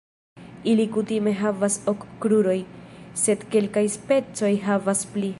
Ili kutime havas ok kruroj, sed kelkaj specoj havas pli.